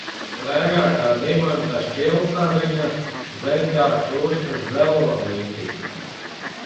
Sprēgā kā dimanta šķiltaviņa, dzeļ kā čūskas dzelonītis.